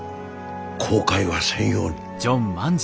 後悔はせんように。